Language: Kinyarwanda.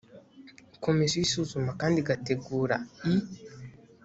komisiyo isuzuma kandi igategura i